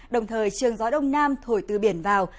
đồng thời trường gió đông nam thổi từ biển vào